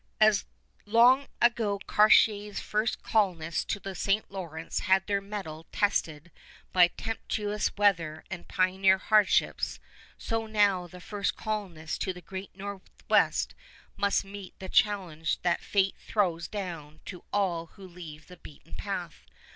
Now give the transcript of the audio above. As long ago Cartier's first colonists to the St. Lawrence had their mettle tested by tempestuous weather and pioneer hardships, so now the first colonists to the Great Northwest must meet the challenge that fate throws down to all who leave the beaten path.